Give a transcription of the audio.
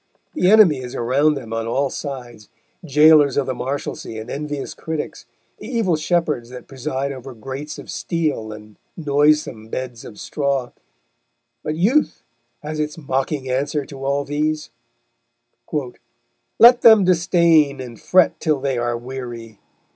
The enemy is around them on all sides, jailers of the Marshalsea and envious critics, the evil shepherds that preside over grates of steel and noisome beds of straw, but Youth has its mocking answer to all these: _Let them disdain and fret till they are weary!